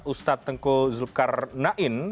ustadz tengku zulkarnain